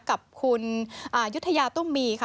กับคุณยุธยาตุ้มมีค่ะ